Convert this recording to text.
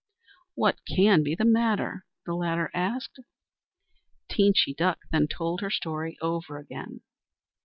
"What can the matter be?" the Ladder asked. Teenchy Duck then told her story over again.